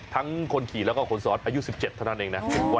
คนขี่แล้วก็คนซ้อนอายุ๑๗เท่านั้นเองนะ